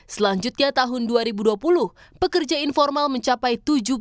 selanjutnya tahun dua ribu dua puluh pekerja informal mencapai tujuh puluh lima